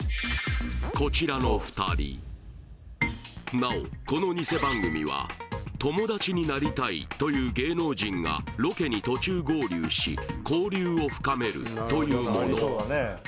こちらの２人なおこのニセ番組は「友達になりたい」という芸能人がロケに途中合流し交流を深めるというもの